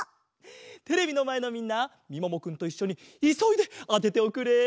テレビのまえのみんなみももくんといっしょにいそいであてておくれ。